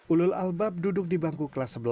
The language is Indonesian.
ulul albab duduk di bangku kelas sebelas